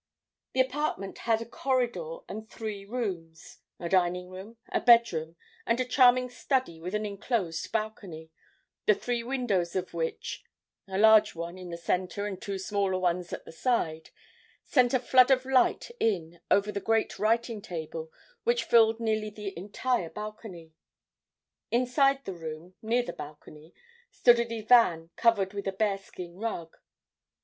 "The apartment had a corridor and three rooms; a dining room, a bedroom and a charming study with an inclosed balcony, the three windows of which, a large one in the center and two smaller ones at the side, sent a flood of light in over the great writing table which filled nearly the entire balcony. Inside the room, near the balcony, stood a divan covered with a bearskin rug.